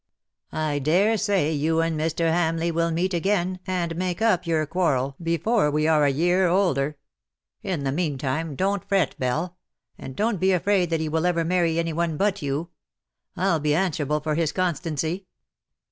I daresay you and Mr. Hamleigh will meet again and make up your quarrel 40 before we are a year older. In the meantime don^t fretj Belle — and don^t be afraid that he will ever marry any one but you, V\\ be answerable for his constancy.''